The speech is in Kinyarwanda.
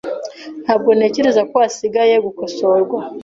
Ntabwo ntekereza ko hasigaye gukosorwa .